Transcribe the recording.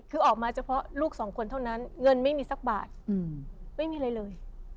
คือออกมาเฉพาะลูกสองคนเท่านั้นเงินไม่มีสักบาทไม่มีอะไรเลย